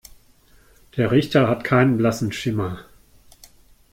Der Richter hat keinen blassen Schimmer.